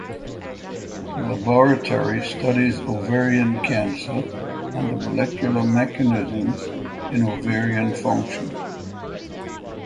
Her laboratory studies ovarian cancer and the molecular mechanisms in ovarian function.